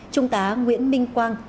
trung tá nguyễn minh quang